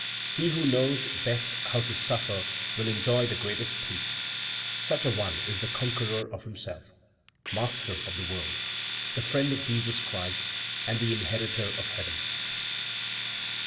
He who knows best how to suffer, will enjoy the greatest peace; such a one is the conqueror of himself, master of the world, the friend of Jesus Christ, and the inheritor of heaven."